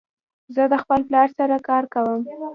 زه د خپل پلار سره کار کوم.